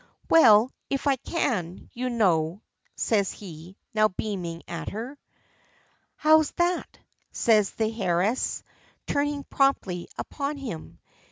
"Well, if I can, you know," says he, now beaming at her. "How's that?" says the heiress, turning promptly upon him.